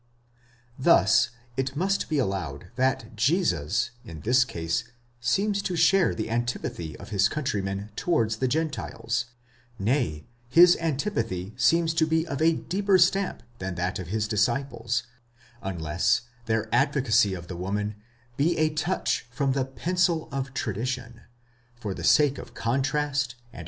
Thus it must be allowed that Jesus in this case seems to share the antipathy of his countrymen towards the Gentiles, nay, his antipathy seems to be of a deeper stamp than that of his disciples ; unless their advocacy of the woman 3 Reinhard; Planck, Geschichte des Christenthums in der Per. seiner Einfiihrung